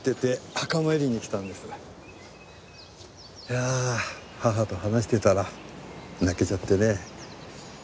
いやあ母と話してたら泣けちゃってね。